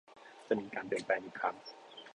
จะมีการเปลี่ยนแปลงอีกครั้ง